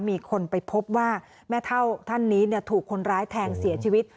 มีคนไปพบว่าแม่เท่าท่านนี้ถูกคนร้ายแทงเสียชีวิต